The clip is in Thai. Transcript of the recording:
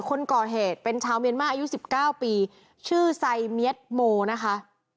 คนก่อเหตุเป็นชาวเมียนมาอายุ๑๙ปีชื่อไซเมียดโมนะคะ